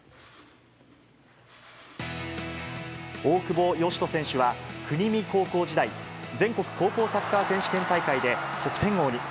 大久保嘉人選手は、国見高校時代、全国高校サッカー選手権大会で得点王に。